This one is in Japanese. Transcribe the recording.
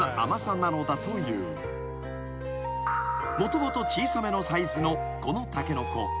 ［もともと小さめのサイズのこのタケノコ］